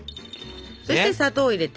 そして砂糖を入れて。